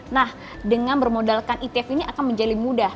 nah dengan bermodalkan etf ini akan menjadi mudah